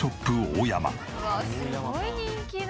うわっすごい人気だ。